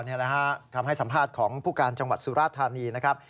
นี่แหละฮะคำให้สัมภาษณ์ของผู้การจังหวัดสุราธานีนะครับ